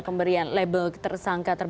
pemberian label tersangka